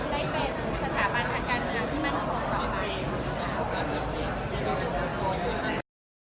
ได้เป็นสถาบันทางการเมืองที่มั่นคงต่อไปค่ะ